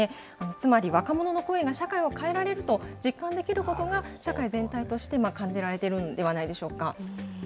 つまり若者の声が社会を変えられると実感できることが、社会全体として感じられてるんではないでしょうか。